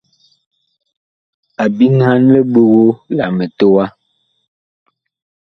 A biŋhan liɓogo la mitowa.